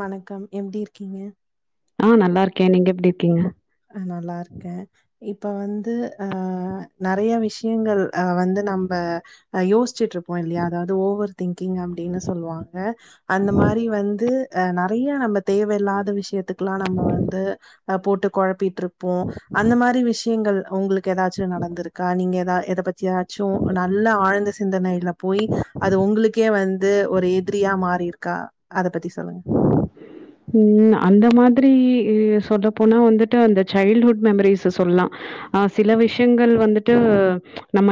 வணக்கம் எப்டி இருக்கீங்க ஆ நல்லாருக்கே நீங்க எப்டிருக்கீங்க ஹ நல்லாருக்கே இப்ப வந்து ஆ நறைய விஷியங்கள் அ வந்து நம்ம அ யோசிச்சுட்டுருப்போ இல்லையா அதாவது ஓவர் திங்கிங் அப்டினு சொல்வாங்க அந்த மாரி வந்து அ நறைய நம்ம தேவயில்லாத விஷயத்துக்கெல்லா நம்ம வந்து அ போட்டு கொழப்பிட்ருப்போ அந்த மாரி விஷ் ஷியங்கள் உங்ளுக்கு ஏதாச்சு நடந்துருக்கா நீங்க எதா எதபத்தியாச்சு நல்ல ஆழ்ந்த சிந்தனைல போய் அது உங்களுக்கே வந்து ஒரு எதிரியா மாறிருக்கா அத பத்தி சொல்லுங்க ம் அந்த மாதிரி சொல்லப்போனா வந்துட்டு அந்த சைல்டுஹுட் மெமரிஸ சொல்லா ஆ சில விஷியங்கள் வந்துட்டு நம்ம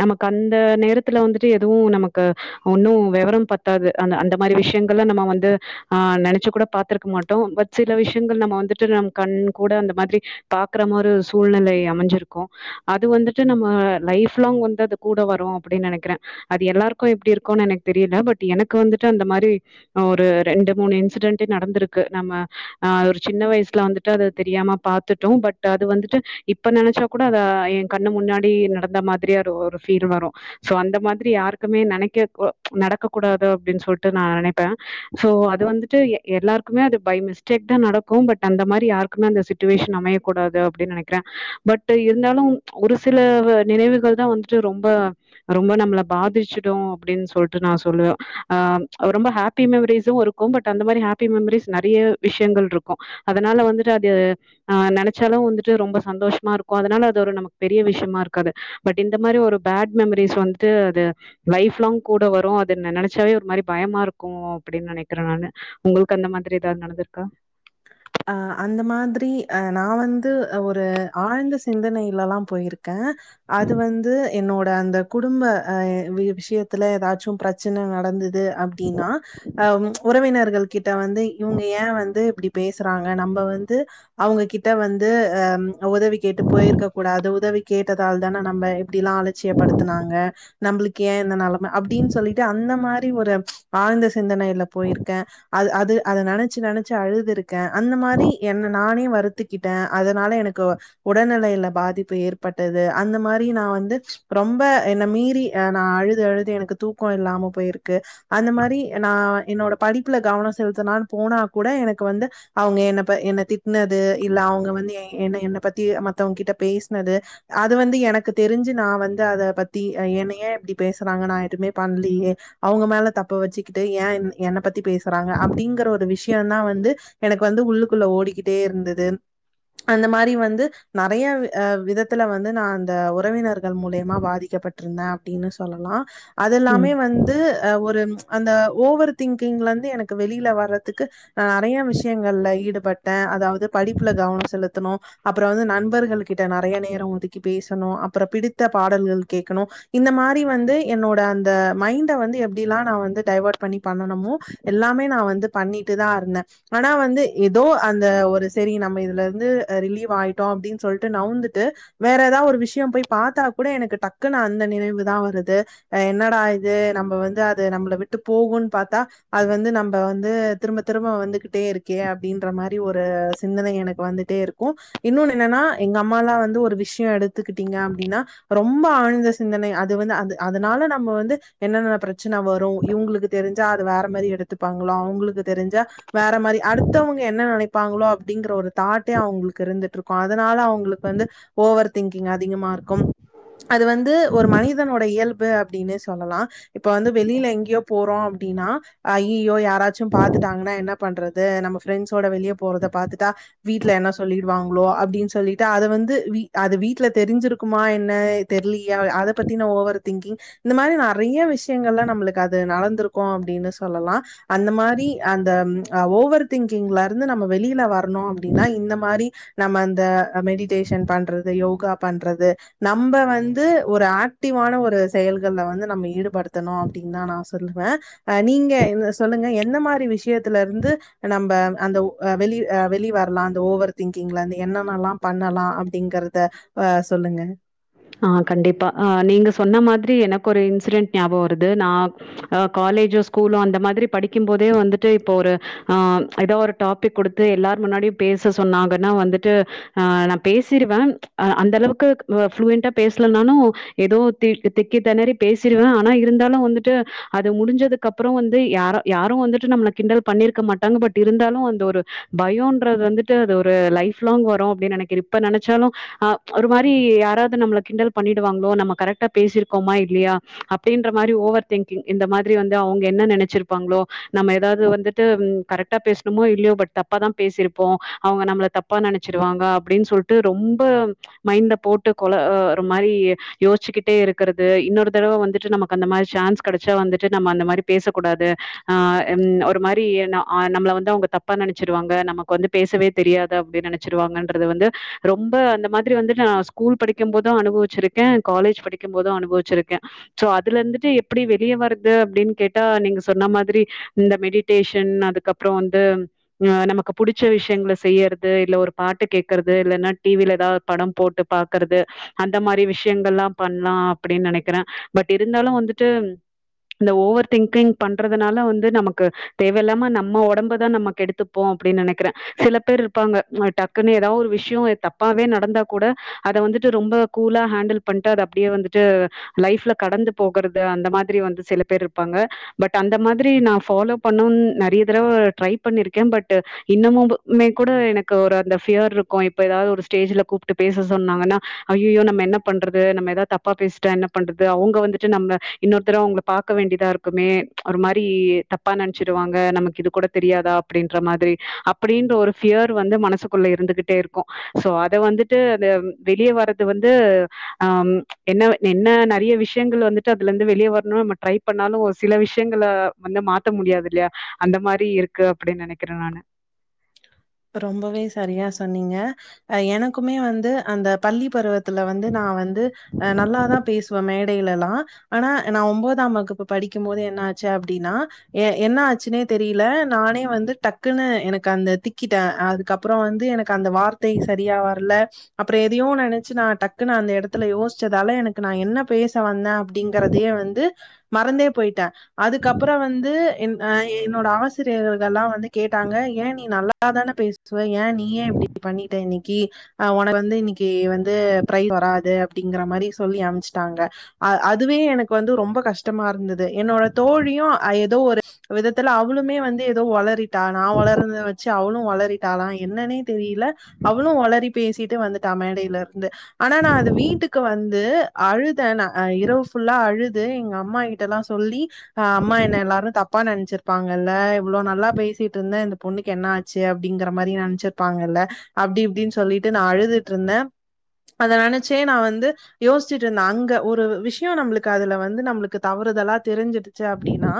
நமக்கு அந்த நேரத்துல வந்துட்டு எதுவு நமக்கு ஒன்னு வெவரம் பத்தாது அந்த அந்த மாரி விஷயங்கல்லா நம்ம வந்து ஆ நெனச்சு கூட பாத்துருக்க மாட்டோ பட் சில விஷயங்கள் நம்ம வந்துட்டு நம்ம கண் கூட அந்த மாதிரி பாக்ற மாரி ஒரு சூழ்நிலை அமஞ்சுருக்கு அது வந்துட்டு நம்ம லைஃப் லாங் வந்து அது கூட வரு அப்டினு நெனக்கிறே அது எல்லாருக்கு எப்டிருக்குனு எனக்கு தெரியல பட் எனக்கு வந்துட்டு அந்த மாரி ஒரு ரெண்டு மூணு இன்சிடென்டே நடந்துருக்கு நம்ம ஆஹ் ஒரு சின்ன வயசுல வந்து ட்டு அது தெரியாம பாத்துட்டோ பட் அது வந்துட்டு இப்ப நனச்சா கூட அத என் கண்ணு முன்னாடி நடந்த மாதிரிய ஒரு ஒரு ஃபீல் வரு சோ அந்த மாதிரி யாருக்குமே நினைக்க கூ நடக்க கூடாதோ அப்டினு சொல்லிட்டு நா நெனைப் ப்பே சோ அது வந்துட்டு எல்லாருக்குமே அது பை மிஸ்டேக் தா நடக்கு பட் அந்த மாரி யாருக்குமே அந்த சிச் சிச்சுவேசன் அமையக்க கூடாது அப்டினு நனைக்றே பட் இருந்தாலு ஒரு சில நினைவுகள் தா வந்து ட்டு ரொம்ப ரொம்ப நம்மள பாதிச்சுடு அப்டினு சொல்ட்டு நா சொல்லுவே ஆ ரொம்ப ஹேப் பி மெமரிஸுருக்கு பட் அந்த மாரி ஹாப்பி மெமரிஸ் நறைய விஷயங்கள்ருக்கு அதனால வந்துட்டு அது ஆ நெனைச்சாலு வந்துட்டு ரொம்ப சந்தோஷமாருக்கு அதுனால அது ஒரு நமக்கொரு பெரிய விஷயமாருக்காது பட் இந்த மாரி ஒரு பேட் மெமரிஸ் வந்துட்டு அது லைஃப் லாங் கூட வரு அது நெனைச்சாவே ஒரு மாரி பயமாருக் கும் அப்டினு நனைக்கிறே நானு உங்ளுக்கு அந்த மாரி ஏதாவது நடந்திருக்கா அ அந்த மாதிரி அ நா வந்து ஒரு ஆழ்ந்த சிந்தனையிலலா போயிருக் கே அது வந்து என்னோட அந்த குடும்ப அ விஷயத்துல ஏதாச்சு பிரச்சனை நடந்து து அப்டினா அ உறவினர்கள் கிட்ட வந்து இவங்க ஏ வந்து இப்டி பேசுறாங்க நம்ப வந்து அவுங்க கிட்ட வந்து அ உதவி கேட்டு போயிருக்க கூடாது உதவி கேட்டதால் தான நம்ப இப்டிலா அலட்சியப்படுத்துனாங்க நம்ளுக்கு ஏ இந்த நெலம அப்டினு சொல்லிட்டு அந்த மாரி ஒரு ஆழ்ந்த சிந்தனைல போயிருக்கே அது அத நெனைச்சு நெனைச்சு அழுது இருக் கே அந்த மாரி என்ன நானே வருத்துக்கிட்டே அதனால எனக்கு உடல்நிலையில பாதிப்பு ஏற்பட்டது அந்த மாரி நா வந்து ரொம்ப என்ன மீறி அ நா அழுது அழுது எனக்கு தூக்கொ இல்லாம போயிருக் க்கு அந்த மாரி நா என்னோட படிப்புல கவன செலுத்தலானு போனா கூட எனக்கு வந்து அவுங்க என்ன ப என்ன திட்னது இல்ல அவுங்க வந்து என்ன என்ன பத்தி மத்தவங்க கிட்ட பேசுனது அது வந்து எனக்கு தெரிஞ்சு நா வந்து அத பத்தி ஆ என்ன ஏ இப்டி பேசுறாங்க நா எதுவுமே பண்லையே அவங்க மேல தப்ப வச்சுக்கிட்டு ஏ என் என்ன பத்தி பேசுறாங்க அப்டிங்கற ஒரு விஷயந்தா வந்து எனக்கு வந்து உள்ளுக்குள்ள ஓடிக்கிட்டே இருந்தது அந்த மாரி வந்து நெறைய ஆ விதத்துல வந்து நா அந்த உறவினர்கள் மூலியமா பாதிக்கப்பட்ருந்த அப்டின்னு சொல்லலா ம். அதுல்லாமே வந்து ஆ ஒரு அந்த ஓவர் திங்கிங்ல இருந்து எனக்கு வெளியில வர்றதுக்கு நா நெறைய விஷய ங்கள ஈடுபட்டே அதாவது படிப்புல கவன செலுத்தணு அப்புற வந்து நண்பர்கள் கிட்ட நெறைய நேர ஒதுக்கி பேசணு அப்புற பிடித்த பாடல்கள் கேட்கணு இந்த மாரி வந்து என்னோட அந்த மைண்ட வந்து எப்டில்லா நா வந்து டைவர்ட் பண்ணி பண்ணனுமோ எல்லாமே நா வந்து பண்ணிட்டு தா இருந்த ஆனா வந்து ஏதோ அந்த ஒரு சரி நம்ம இதுல இருந்து ஆ ரிலீவ் ஆயிட்டோ அப்டின்னு சொல்லிட்டு நவுந்துட்டு வேற ஏதாவ ஒரு விஷயம் போய் பாத்தா கூட எனக்கு டக்குன்னு அந்த நினைவு தா வருது ஆ என்னடா இது நம்ம வந்து அது நம்மள விட்டு போகுன்னு பாத்தா அது வந்து நம்ம வந்து திரும்ப திரும்ப வந்துக்கிட் ட்டே இருக்கே அப்டின்ற மாரி ஒரு சிந்தனை எனக்கு வந்துட்டே இருக்கும் இன்னொன்னு என்னன்னா எங்க அம்மாலா வந்து ஒரு விஷயம் எடுத்துக்கிட்டீங்க அப்டின்னா ரொம்ப ஆழ்ந்த சிந்தனை அது வந்து அது அதனால நம்ம வந்து என்னென்ன பிரச்சன வரு இவங்களுக்கு தெரிஞ்சா அது வேற மாரி எடுத்துப்பாங்களா அவங்களுக்கு தெரிஞ்சா வேற மாரி அடுத்தவங்க என்ன நெனைப்பாங்களோ அப்டிங்கற ஒரு தாட்டே அவுங்களுக்கு இருந்துட்டு இருக்கு அதனால அவங்களுக்கு வந்து ஓவர் திங்கிங் அதிகமா இருக்கும் அது வந்து ஒரு மனிதனோட இயல்பு அப்படினே சொல்லலாம இப்ப வந்து வெளியில எங்கேயோ போறோ அப்டின்னா ஐய்யயோ யாராச்சும் பாத்துட்டாங்கன்னா என்ன பண்றது நம்ம ஃபிரெண்ட்ஸோட வெளியே போறத பாத்துட்டா வீட்ல என்ன சொல்லிடுவாங்களோ அப்டின்னு சொல்லிட்டு அத வந்து வீ அது வீட்ல தெரிஞ்சிருக்குமா என்ன தெர்லியா அத பத்தின ஓவர் திங்கிங் இந்த மாரி நெறைய விஷயங்கள்லா நம்மளுக்கு அது நடந்திருக்கு அப்டின்னு சொல்லலா அந்த மாரி அந்த ஓவர் திங்கிங்ல இருந்து நம்ம வெளியில வரணு அப்டின்னா இந்த மாரி நம்ம அந்த ஆ மெடிடேஷன் பண்றது யோகா பண்றது நம்ப வந்து ஒரு ஆக்டிவான ஒரு செயல்கள்ல வந்து நம்ம ஈடுபடுத்தணு அப்டின்னுதா நா சொல்லுவ ஆ நீங்க சொல்லுங்க எந்த மாரி விஷயத்துல இருந்து நம்ப அந்த உ வெளி ஆ வெளி வரலா அந்த ஓவர் திங்கிங்லந்து என்னென்னல்லா பண்ணலா அப்டிங்கறத ஆ சொல்லுங்க ஆ கண்டிப்பா ஆ நீங்க சொன்ன மாதிரி எனக்கு ஒரு இன்சிடென்ட் ஞாபகம் வருது நா ஆ காலேஜோ ஸ்கூலோ அந்த மாதிரி படிக்கும் போதே வந்துட்டு இப்ப ஒரு ஆ ஏதோ ஒரு டாப்பிக் கொடுத்து எல்லார் முன்னாடியு பேச சொன்னாங்கன்னா வந்துட்டு ஆ நா பேசிருவ ஆ அந்தளவுக்கு ஃப்ளுயன் ட்டா பேசலனாலு ஏதோ திக் திக்கி தெணறி பேசிடுவ ஆனா இருந்தாலு வந்துட்டு அது முடிஞ்சதுக்கு அப்புற வந்து யாரு யாரு வந்துட்டு நம்மள கிண்டல் பண்ணிருக்க மாட்டாங்க பட் இருந்தாலு அந்த ஒரு பயோன்றது வந்துட்டு அது ஒரு லைஃப் லாங் வரு அப்டின்னு நெனைக் இப்ப நெனைச்சாலு ஆ ஒரு மாரி யாராது நம்மள கிண்டல் பண்ணிடுவாங்களோ நம்ம கரெக்ட பேசிருக்கோமா இல்லையா அப்டின்ற மாரி ஓவர் திங்க் இந்த மாதிரி வந்து அவங்க என்ன நினைச்சிருப்பாங்களோ நம்ம எதாவது வந்துட்டு கரெக்டா பேசணுமோ இல்லயோ பட் தப் தாப்பா தா பேசிருப்போ அவங்க நம்மள தப்பா நினைச்சிருவாங்க அப்டின்னு சொல்ட்டு ரொம்ப மைண்ட போட்டு கொல ஒரு மாரி யோசிச்சிக்கிட்டே இருக்கிறது இன்னொரு தடவ வந்துட்டு நமக்கு அந்த மாரி சான்ஸ் கெடச்சா வந்துட்டு நம்ம அந்த மாரி பேசக்கூடாது ஆஹ் ம் ஒரு மாரி ஆ நம்மள வந்து அவங்க தப்பா நினைச்சிருவாங்க நமக்கு வந்து பேசவே தெரியாது அப்டின்னு நினைச்சிருவாங்கன்றத வந்து ரொம்ப அந்த மாதிரி வந்து நா ஸ்கூல் படிக்கும் போது அதா அனுபவிச்சிருக்கே காலேஜ் படிக்கும் போது அனுபவிச்சிருக்கே சோ அதுல இருந்துட்டு எப்டி வெளிய வரது அப்டின்னு கேட்டா நீங்க சொன்ன மாதிரி இந்த மெடிடேஷன் அதுக்கப்புறோ வந்து ஆ நமக்கு புடிச்ச விஷயங்கள செய்யறது இல்ல ஒரு பாட்டு கேக்குறது இல்லன்னா டிவில எதாவ்து படம் போட்டு பாக்குறது அந்த மாரி விஷயங்கள்லா பண்ணலா அப்படின்னு நினைக்கிறே பட் இருந்தாலு வந்துட்டு அந்த ஓவர் திங்கிங் பண்றதுனால வந்து நமக்கு தேவையில்லாம நம்ம உடம்பதா நம்மக் கெடுத்துப் போம் அப்டின்னு நினைக்கிறே சில பேர் இருப்பாங்க அ டக்குன்னு எதா ஒரு விஷயோ தப்பாவே நடந்தா கூட அத வந்துட்டு ரொம்ப கூலா ஹேண்டில் பண்ணிட்டு அத அப்டியே வந்துட்டு லைஃப்ல கடந்து போகுறது அந்த மாதிரி வந்து சில பேர் இருப்பாங்க பட் அந்த மாதிரி நா ஃபாலோ பண்ணவு நிறைய தடவ ட்ரை பண்ணிருக்கே பட்டு இன்னமுமே கூட எனக்கு ஒரு அந்த ஃபியர் இருக்கு இப்ப எதாது ஒரு ஸ்டேஜ்ல கூப்ட்டு பேச சொன்னாங்கன்னா அய்யய்யோ நம்ம என்ன பண்றது நம்ம எதாது தப்பா பேசிட்டா என்ன பண்றது அவுங்க வந்துட்டு நம்ள இன்னொரு தரவ அவுங்கள பாக்க வேண்டியதா இருக் குமே ஒரு மாதிரி தப்பா நினைச்சிருவாங்க நமக்கு இது கூடத் தெரியாதா அப்டின்ற மாதிரி அப் அப்டின்ற ஒரு ஃபியர் வந்து மனசுக்குள்ள இருந்துகிட்டே இருக்கு சோ அத வந்துட்டு அத வெளிய வர அது வந்து அம் என்ன என்ன நிறைய விஷயங்கள் வந்துட்டு அதுல இருந்து வெளியே வரணும் நம்ம ட்ரை பண்ணாலு ஒரு சில விஷயங்கள வந்து மாத்த முடியாதுல்லயா அந்த மாதிரி இருக்கு அப்டின்னு நினைக்கிறே நானு ரொம்பவே சரியா சொன்னீங்க அ எனக்குமே வந்து அந்த பள்ளி பருவத்துல வந்து நா வந்து அ நல்லாதா பேசுவே மேடையிலலா ஆனா நா ஒன்பதாம் வகுப்பு படிக்கும் போது என்னாச்சு அப்டின்னா எ என்ன ஆச்சுன்னே தெரியல நானே வந்து டக்குன்னு எனக்கு அந்த திக் க்கிட்டே அதுக்கப்றோ வந்து எனக்கு அந்த வார்த்தை சரியா வரல அப்புறோ எதையோ நினைச்சு நா டக்குன்னு அந்த இடத்துல யோசிச்சதால எனக் நா என்ன பேச வந்தே அப்படிங்கறதையே வந்து மறந்தே போய்ட்டே அதுக்கப்புறோ வந்து என் அ என்னோட ஆசிரியர்கள்லா வந்து கேட்டாங்க ஏன் நீ நல்லா நல்லா தானே பேசுவ ஏன் நீ ஏ இப்டி பண்ணிட்ட இன்னக்கி ஆ உன்ன வந்து இன்னிக்கி வந்து ந்து ப்ரை வராது அப்டிங்கற மாதிரி சொல்லி அம்ச்சுட்டாங்க அ அதுவே எனக்கு வந்து ரொம்ப கஷ்டமா இருந்தது என்னோட தோழியு அ எதோ ஒரு விதத்துல அவளுமே வந்து எதோ உளரிட்டா நா உளரனது வச் ச்சு அவளு உளரிட்டாளா என்னன்னே தெரியல அவளு உளறி பேசிட்டு வந்துட்டா மேடையிலருந்து ஆனா நா அது வீட்டுக்கு வந்து அழுதே நா அ இரவு ஃபுல்லா அழுது எங்க அம்மாகிட் டல்லா சொல்லி அ அம்மா என்ன எல்லாரு தப்பா நினைச்சிருப்பாங்கல்ல இவ்ளோ நல்லா பேசிட்டு இருந்தே இந்த பொண்ணு என்ன ஆச்சு அப்டிங்கற மாரி நினைச்சிருப்பாங்கல்ல அப்டி இப்டின்னு சொல்லிட்டு நா அழுதுட்டு இருந்தே அத நினைச்சே நா வந்து யோசிச்ட்டு இருந்தே அங்க ஒரு விஷயோ நம்மளுக்கு அதுல வந்து நம்மளுக்கு தவறுதலா தெரிஞ்சிடுச்சு அப்டின்னா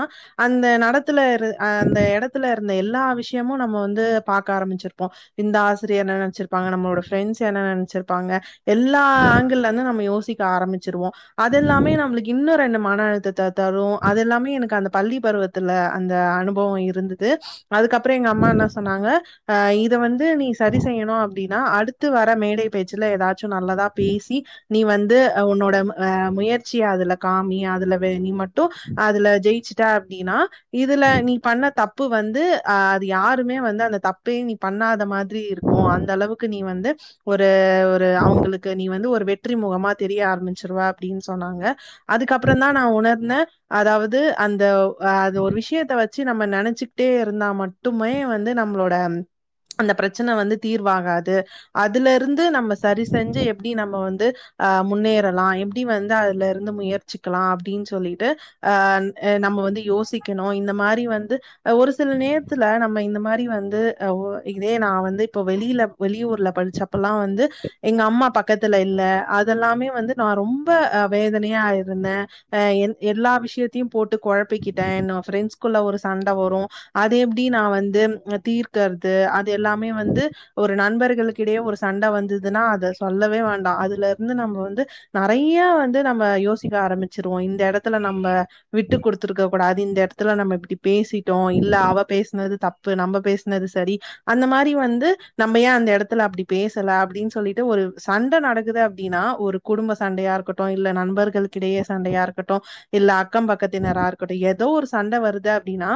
அந்த நடத்துல இரு அந்த இடத்துல இருந்த எல்லா விஷயமு நம்ம வந்து பாக்க ஆரம்பிச்சிருப்போ இந்த ஆசிரியர் என்ன நினைச்சிருப்பாங்க நம்மளோட ஃப்ரெண்ட்ஸ் என்ன நினைச்சிருப்பாங்க எல்லா ஆங்கிள்ளருந்து நம்ம யோசிக்க ஆரம்பிச்சிருவோம் அதெல்லாமே நம்மளுக்கு இன்னும் ரெண்டு மன அழுத்தத்த தரும் அதெல்லாமே எனக்கு அந்த பள்ளி பருவத் த்துல அந்த அனுபவம் இருந்தது அதுக்கப் அப்புறம் எங்கம்மா என்ன சொன்னாங்க அ இத வந்து நீ சரி செய்யணும் அப்படின்னா அடுத்து வர மேடை பேச்சுல ஏதாச்சும் நல்லதா பேசி நீ வந்து உன்னோட அ முயற்சி அதுல காமி அதுல வே நீ மட்டும் அதுல ஜெயிச்சுட்ட அப்படின்னா இதுல நீ பண்ண தப்பு வந்து அ அது யாருமே வந்து அந்த தப்பையும் நீ பண்ணாத மாதிரி இருக்கும் அந்த அளவுக்கு நீ வந்து ஒரு ஒரு அவுங்களுக்கு நீ வந்து ஒரு வெற்றி முகமா தெரிய ஆரம்பிச்சிருவ அப்டின்னு சொன்னாங்க அதுக்கப்றந்தா நா உணர்ந்தே அதாவது அந்த அந்த ஒரு விஷயத்த வெச்சு நம்ம நெனச்சுக்கிட்டே இருந்தா மட்டுமே வந்து நம்மளோட அந்த பிரச்சன வந்து தீர்வாகாது அதுலருந்து நம்ம சரி செஞ்சு எப் ப்டி நம்ம வந்து அ முன்னேறலா எப்டி வந்து அதுலருந்து முயற்சிக்கலா அப்டின்னு சொல்லிட்டு ஆ நம்ம வந்து யோசிக்கணு இந்த மாறி வந்து ஒரு ஒரு சில நேரத்துல நம்ம இந்த மாறி வந்து இதே நா வந்து இப்ப வெளில வெளியூர்ல படிச்ச அப்பல்லா வந்து எங்க அம்மா பக்கத்துல இல்ல அதெல்லாமே வந்து நா ரொம்ப வேதனையா இருந்தே அ எல்லா விஷயத்தையு போட்டு கொழப்பிக்கிட்டே ஃப்ரெண்ஸ்குள்ள ஒரு சண்ட வரு அது எப்டி நா வந்து தீர்க்கறது அது எல்லாமே வந்து ஒரு நண்பர்களுக்கிடையே ஒரு சண்ட வந்ததுன்னா அத சொல்லவே வேண்டா அதுல இருந்து நம்ம வந்து நெறைய வந்து நம்ம யோசிக்க ஆரம்பிச்சிருவோ இந்த எடத்துல நம்ம விட்டு குடுத்துருக்க கூடாது இந்த எடத்துல நம்ம இப்டி பேசிட்டோ இல்ல அவ பேசுனது தப்பு நம்ம பேசுனது சரி அந்த மாறி வந்து நம்ம ஏ அந்த எடத்துல அப்டி பேசலா அப்டின்னு சொல்லிட்டு ஒரு சண்ட நடக்குது அப்டின்னா ஒரு குடும்ப சண்டயா இருக்கட்டு இல்ல நண்பரு ளுகிடையே சண்டயா இருக்கட்டு இல்ல அக்கம் பக்கத்தினரா இருக்கட்டு ஏதோ ஒரு சண்ட வருது அப்டின்னா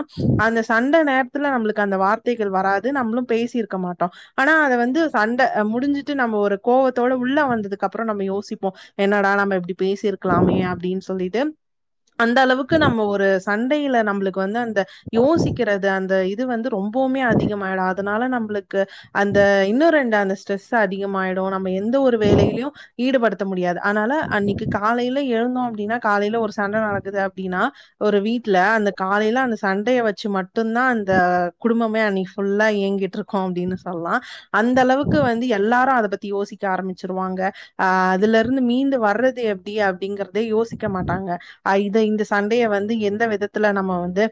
அந்த சண்ட நேரத்துல நம்மளுக்கு அந்த வார்த்தைகள் வராது நம்மளு பேசிருக்க மாட்டோ ஆனா அத வந்து சண்ட முடிஞ்சுட்டு நம்ம ஒரு கோவத்தோட உள்ள வந்ததுக்கப்றோ நம்ம யோசிப்போ என்னடா நம்ம இப்டி பேசிருக்கலாமே அப்டின்னு சொல்லிட்டு அந்த அளவுக்கு நம்ம ஒரு சண்டைல நம்மளுக்கு வந்து அந்த யோசிக்கிறது அந்த இது வந்து ரொம்போமே அதிகமாயிடு அதனால நம்ளுக்கு அந்த இன்னு ரெண்டு அந்த ஸ்ட்ரெஸ் அதிகமாயிடு நம்ம எந்த ஒரு வேலையிலயையு ஈடுபடுத்த முடியாது அனால அன்னைக்கு காலைல எழுந்தோ அப்டின்னா காலைல ஒரு சண்ட நடக்குது அப்டின்னா ஒரு வீட்ல அந்த காலைல அந்த சண் சண்டைய வெச்சு மட்டுதா அந்த குடும்பமே அன்னைக்கு ஃபுல்லா இயங்கிட்டிருக்கு அப்டின்னு சொல்லலா அந்த அளவுக்கு வந்து எல்லாரு அத பத்தி யோசிக்க ஆரமிச்சிருவாங்க ஆ அதுலருந்து மீண்டு வர்றது எப்டி அப்டிங்கறது யோசிக்க மாட்டாங்க ஆ இது இந்த சண்டைய வந்து எந்த விதத்துல நம்ம வந்து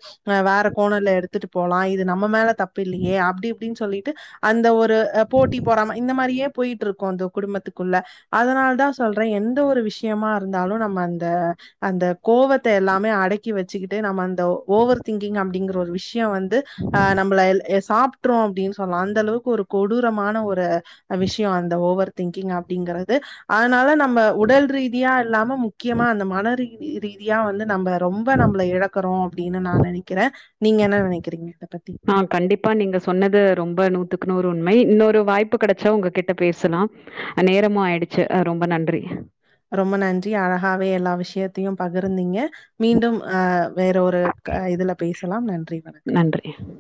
வேற கோணல்ல எடுத்துட்டு போலா இது நம்ம மேல தப்பில்லயே அப்டி இப்டின்னு சொல்லிட்டு அந்த ஒரு போட்டி பொறாம இந்த மாறியே போயிட்டிருக்கு அந்த குடும்பத்துக்குள்ள அதனால தா சொல்ற எந்த ஒரு விஷயமா இருந்தாலு நம்ம அந்த அந்த கோவத்த எல்லாமே அடக்கி வெச்சுக்கிட்டு நம்ம அந்த ஓவர் திங்கிங் அப்டிங்கற ஒரு விஷய வந்து ஆ நம்மள சாப் விட்டுறோ அப்டின்னு சொன்னா அந்த அளவுக்கு ஒரு கொடூரமான ஒரு விஷியோ அந்த ஓவர் திங்கிங் அப்டிங்கறது அதனால நம்ம உடல் ரீதியா இல்லாம முக்கியமா அந்த மன ரீ ரீதியா வந்து நம்ம ரொம்ப நம்மள இழக்கறோ அப்டின்னு நா நெனைக்கெற நீங்க என்ன நெனக்கறீங்க இத பத்தி ஆ கண்டிப்பா நீங்க சொன்னது ரொம்ப நூத்துக்கு நூறு உண்மை இன்னொரு வாய்ப்பு கெடச்சா உங்க கிட்ட பேசலாம் நேரமு ஆயிடுச்சு ரொம்ப நன்றி ரொம்ப நன்றி அழகாவே எல்லா விஷியத்தையு பகிர்ந்தீங்க மீண்டும் ஆ வேற ஒரு இதுல பேசலா நன்றி வணக்கம் [inaudible]